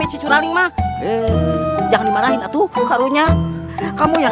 selasi selasi bangun